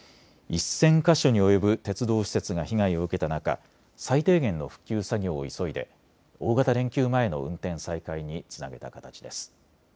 １０００か所に及ぶ鉄道施設が被害を受けた中、最低限の復旧作業を急いで大型連休前の運転再開につなげた形です。